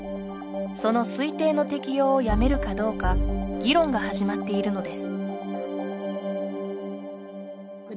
その推定の適用をやめるかどうか議論が始まっているのです。